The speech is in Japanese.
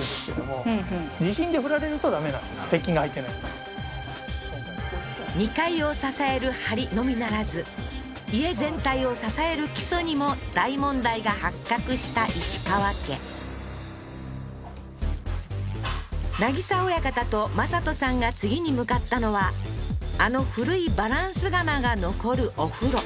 だから２階を支える梁のみならず家全体を支える基礎にも大問題が発覚した石川家渚親方と魔裟斗さんが次に向かったのはあの古いバランス釜が残るお風呂